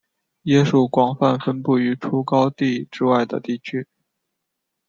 椰树广泛分布于除高地之外的地区。